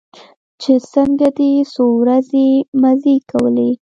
چې څنگه دې څو ورځې مزې کولې.